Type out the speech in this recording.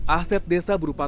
aset desa berupa tanah